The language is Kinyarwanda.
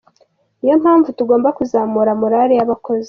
Ni yo mpamvu tugomba kuzamura morale y’abakozi.”